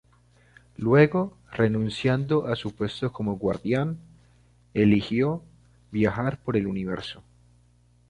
Luego, renunciando a su puesto como Guardián, eligió viajar por el universo.